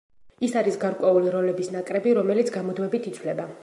ის არის გარკვეული როლების ნაკრები, რომელიც გამუდმებით იცვლება.